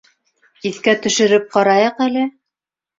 Иҫкә төшөрөп ҡарайыҡ әле.